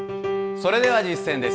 それでは実践です。